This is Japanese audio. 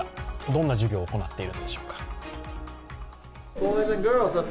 どんな授業を行っているんでしょうか。